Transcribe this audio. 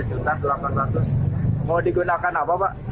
mau digunakan apa pak